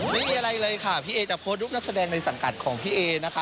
ไม่มีอะไรเลยค่ะพี่เอจะโพสต์รูปนักแสดงในสังกัดของพี่เอนะคะ